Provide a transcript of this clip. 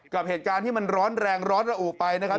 กับเหตุการณ์ที่มันร้อนแรงร้อนระอุไปนะครับ